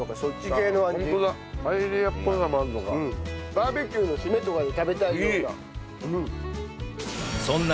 バーベキューの締めとかに食べたいような。